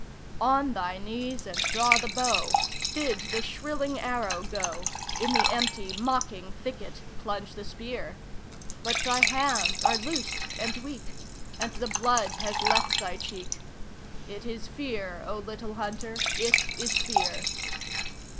On thy knees and draw the bow; bid the shrilling arrow go; In the empty, mocking thicket plunge the spear; But thy hands are loosed and weak, and the blood has left thy cheek It is Fear, O Little Hunter, it is Fear!